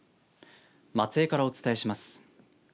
松江からお伝えします。